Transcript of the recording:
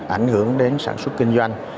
ảnh hưởng đến sản xuất kinh doanh